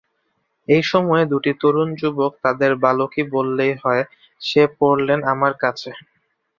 এই সময়ে দুটি তরুণ যুবক, তাঁদের বালক বললেই হয়, এসে পড়লেন আমার কাছে।